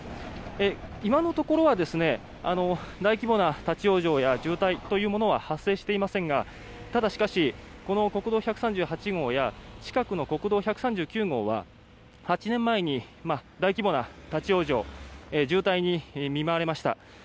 今のところは大規模な立ち往生や渋滞などは発生していませんがただしかし、この国道１３８号や近くの国道１３９号は８年前に大規模な立ち往生渋滞に見舞われました。